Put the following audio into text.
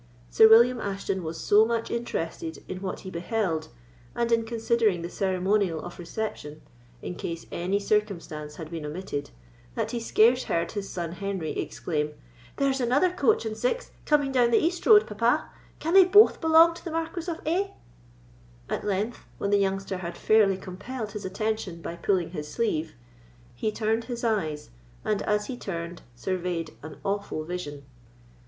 Sir William Ashton was so much interested in what he beheld, and in considering the ceremonial of reception, in case any circumstance had been omitted, that he scarce heard his son Henry exclaim: "There is another coach and six coming down the east road, papa; can they both belong to the Marquis of A——?" At length, when the youngster had fairly compelled his attention by pulling his sleeve, He turned his eyes, and, as he turned, survey'd An awful vision.